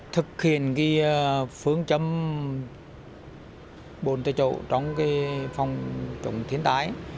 thực hiện cái phương châm bốn tài chỗ trong cái phòng trọng thiến tái